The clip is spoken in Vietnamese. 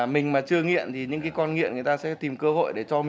mình mà chưa nghiện thì những con nghiện người ta sẽ tìm cơ hội